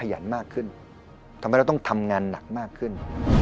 ยันมากขึ้นทำให้เราต้องทำงานหนักมากขึ้น